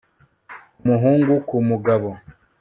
umuhungu ku mugabo